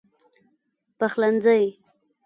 پخلنځی